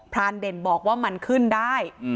รานเด่นบอกว่ามันขึ้นได้